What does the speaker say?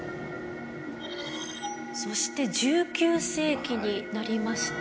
そして１９世紀になりますと。